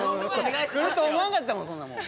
来ると思わんかったもんそんなもん。